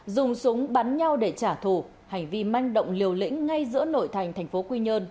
dùng súng bắn nhau để trả thù hành vi manh động liều lĩnh ngay giữa nội thành thành phố quy nhơn